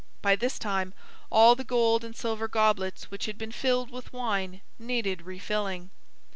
By this time, all the gold and silver goblets which had been filled with wine needed refilling.